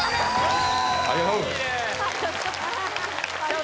ありがとうっ